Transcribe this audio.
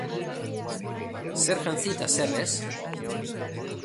Zer jantzi eta zer ez?